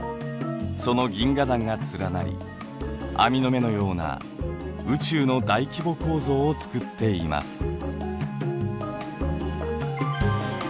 その銀河団が連なり網の目のような宇宙の大規模構造を作っています。